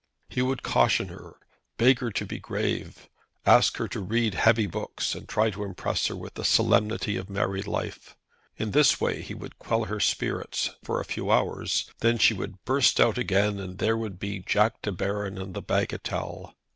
He would caution her, beg her to be grave, ask her to read heavy books, and try to impress her with the solemnity of married life. In this way he would quell her spirits for a few hours. Then she would burst out again, and there would be Jack De Baron and the bagatelle.